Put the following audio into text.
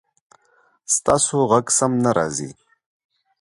ستاسو غږ سم نه راځي